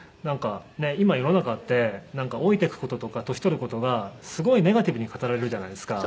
今世の中って老いていく事とか年を取る事がすごいネガティブに語られるじゃないですか。